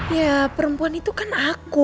ya perempuan itu kan aku